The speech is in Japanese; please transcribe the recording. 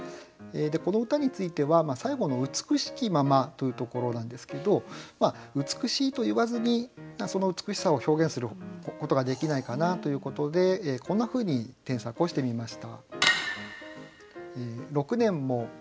この歌については最後の「美しきまま」というところなんですけど「美しい」と言わずにその美しさを表現することができないかなということでこんなふうに添削をしてみました。